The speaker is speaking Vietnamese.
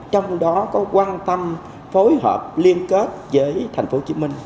trong đó có quan tâm phối hợp liên kết với thành phố hồ chí minh